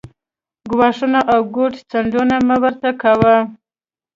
ګواښونه او ګوت څنډنې مه ورته کاوه